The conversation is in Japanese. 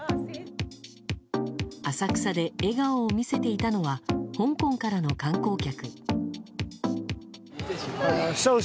浅草で笑顔を見せていたのは香港からの観光客。